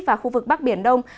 và khu vực bắc biển đông